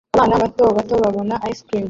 Abana bato bato babona ice cream